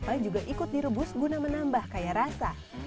air kelapa juga ikut direbus guna menambah kaya rasa